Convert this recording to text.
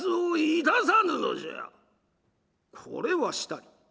「これはしたり。